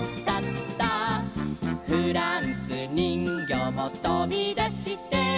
「フランスにんぎょうもとびだして」